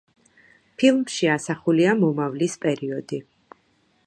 ფილმში ასახულია მომავლის პერიოდი.